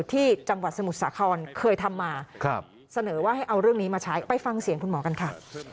ที่จังหวัดสมุทรสาครเคยทำมาเสนอว่าให้เอาเรื่องนี้มาใช้ไปฟังเสียงคุณหมอกันค่ะ